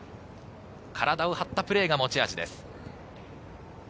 体を張ったプレーが持ち味です。